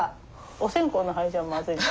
お線香の灰じゃまずいかな？